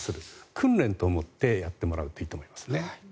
訓練と思ってやってもらうといいと思いますね。